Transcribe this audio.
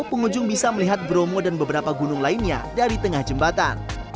pengunjung bisa melihat bromo dan beberapa gunung lainnya dari tengah jembatan